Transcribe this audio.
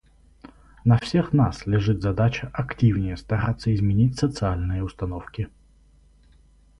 На всех нас лежит задача активнее стараться изменить социальные установки.